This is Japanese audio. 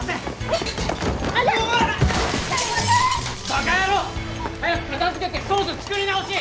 バカ野郎！早く片づけてソース作り直し！